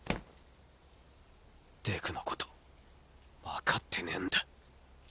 デクの事わかってねぇんだ。